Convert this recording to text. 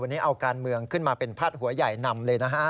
วันนี้เอาการเมืองขึ้นมาเป็นพาดหัวใหญ่นำเลยนะฮะ